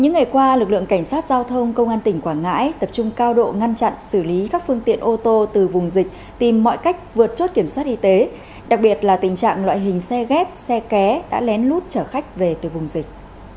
những ngày qua lực lượng cảnh sát giao thông công an tỉnh quảng ngãi tập trung cao độ ngăn chặn xử lý các phương tiện ô tô từ vùng dịch tìm mọi cách vượt chốt kiểm soát y tế đặc biệt là tình trạng loại hình xe ghép xe ké đã lén lút trở khách về từ vùng dịch